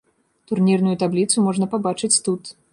Турнірную табліцу можна пабачыць тут.